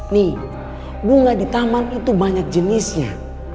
nih bunga di taman itu banyak jenisnya